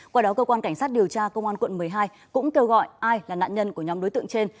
qua đó cơ quan cảnh sát điều tra công an quận một mươi hai cũng kêu gọi ai là nạn nhân của nhóm đối tượng trên